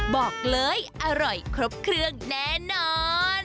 บอกเลยอร่อยครบเครื่องแน่นอน